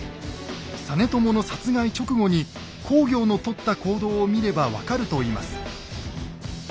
実朝の殺害直後に公暁のとった行動を見れば分かるといいます。